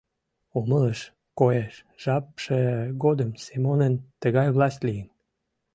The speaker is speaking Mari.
Умылыш, коеш: жапше годым Семонын тыгай власть лийын.